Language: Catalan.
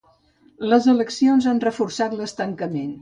Les eleccions han reforçat l’estancament.